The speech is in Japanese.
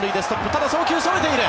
ただその球、それている。